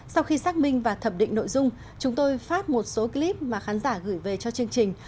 sau khi xác minh và thẩm định nội dung chúng tôi phát một số clip mà khán giả gửi về cho chương trình